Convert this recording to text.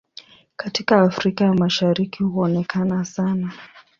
Katika Afrika ya Mashariki huonekana sana.